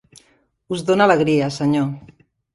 Us dona alegria, senyor.